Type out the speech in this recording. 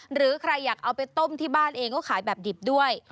หรือใครอยากเอาไปต้มที่บ้านเองก็ขายแบบดิบด้วย